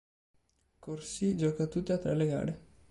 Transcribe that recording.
Corsie gioca tutte e tre le gare.